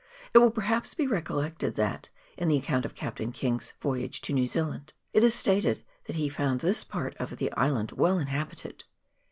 It will, perhaps, be recollected that, in the account of Captain King's ' Voyage to New Zealand,' it is stated that he found this part of the island well in habited.